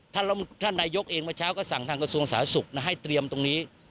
ท่านนายกเองเมื่อเช้าก็สั่งทางกระทรวงสาธารณสุขให้เตรียมตรงนี้